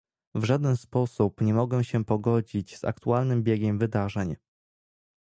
W żaden sposób nie mogę się pogodzić z aktualnym biegiem wydarzeń